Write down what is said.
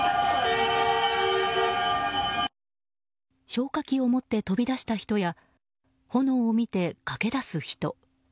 消火器を持って飛び出した人や炎を見て、駆け出す人。